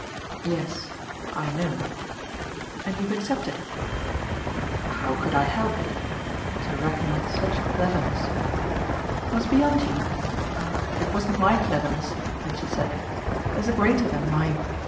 "Yes, I know." "And you've accepted it." "How could I help it? To reckon with such cleverness !" "Was beyond you? Ah it wasn't my cleverness," Mitchy said. "There's a greater than mine.